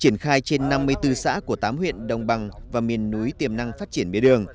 triển khai trên năm mươi bốn xã của tám huyện đồng bằng và miền núi tiềm năng phát triển bế đường